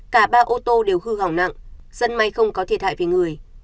cả ba ô tô đều hư hỏng nặng rất may không có thiệt hại về người